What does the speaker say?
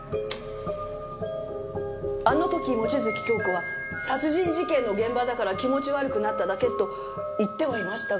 あの時望月京子は殺人事件の現場だから気持ち悪くなっただけと言ってはいましたが。